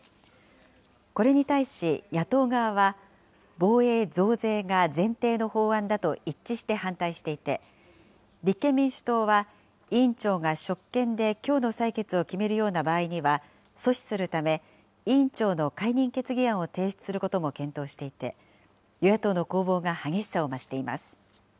これに対し、野党側は、防衛増税が前提の法案だと一致して反対していて、立憲民主党は委員長が職権できょうの採決を決めるような場合には、阻止するため、委員長の解任決議案を提出することも検討していて、与野党の攻防が激しさを増しています。